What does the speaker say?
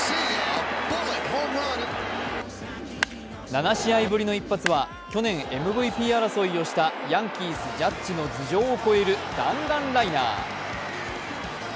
７試合ぶりの一発は去年ＭＶＰ争いをしたヤンキース・ジャッジの頭上を越える弾丸ライナー。